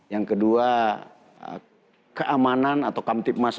yang kedua keamanan atau kamtipmas